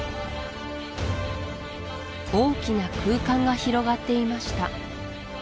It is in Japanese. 大きな空間が広がっていました